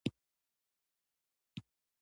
سیلانی ځایونه د افغان ماشومانو د لوبو موضوع ده.